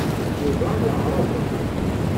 Yuba yeɛreḍ.